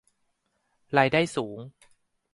รายได้สูง